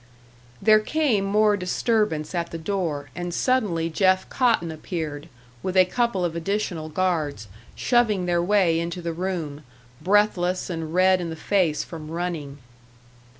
There came more disturbance at the door, and suddenly Jeff Cotton appeared, with a couple of additional guards, shoving their way into the room, breathless and red in the face from running.